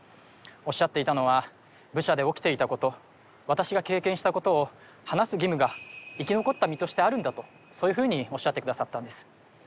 おっしゃっていたのはブチャで起きていたこと私が経験したことを話す義務が生き残った身としてあるんだとそういうふうにおっしゃってくださったんです